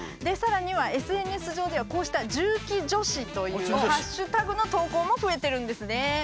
でさらにはＳＮＳ上ではこうした「＃重機女子」というハッシュタグの投稿も増えてるんですね。